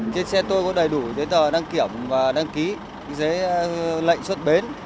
trên xe tôi có đầy đủ giấy tờ đăng kiểm và đăng ký giấy lệnh xuất bến